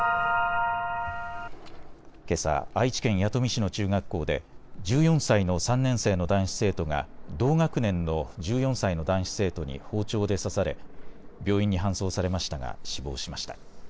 けさ、愛知県弥富市の中学校で１４歳の３年生の男子生徒が同学年の１４歳の男子生徒に包丁で刺され病院に搬送されましたが死亡しました。